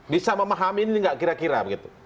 bisa memahami ini tidak kira kira